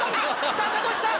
タカトシさん！